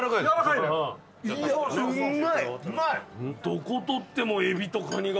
どこ取ってもエビとカニが。